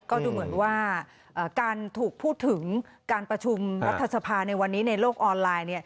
ก็ดูเหมือนว่าการถูกพูดถึงการประชุมรัฐสภาในวันนี้ในโลกออนไลน์